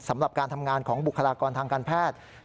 สำหรับการทำงานของบุคลากรทางการแพทย์